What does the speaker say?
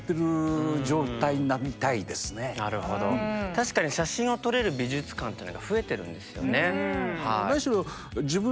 確かに写真を撮れる美術館っていうのが増えてるんですよね。